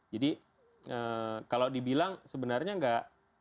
jadi kalau dibilang sebenarnya enggak